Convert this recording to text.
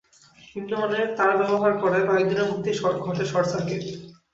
নিম্নমানের তার ব্যবহার করায় কয়েক দিনের মধ্যেই ঘটে শর্টসার্কিট।